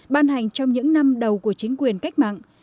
ban hành trong những năm đầu của chính quyền cách mạng